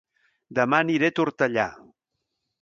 Dema aniré a Tortellà